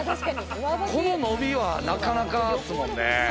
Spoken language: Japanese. この伸びはなかなかですもんね。